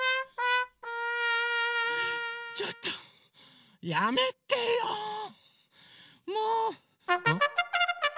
ちょっとやめてよもう！